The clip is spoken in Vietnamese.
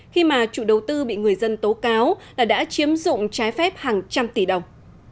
khi mà chủ đầu tư bị người dân tố cáo là đã chiếm dụng trái phép hàng trăm tỷ đồng